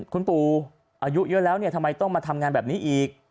คุณปู่อายุเยอะแล้วทำไมต้องมาทำงานแบบนี้อีก